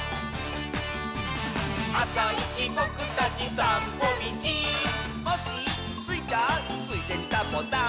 「あさいちぼくたちさんぽみち」「コッシースイちゃん」「ついでにサボさん」